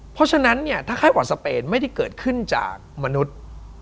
เพราะฉะนั้นเนี่ยถ้าไข้อ่อนสเปนไม่ได้เกิดขึ้นจากมนุษย์